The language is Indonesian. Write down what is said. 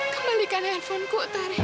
kembalikan handphoneku tari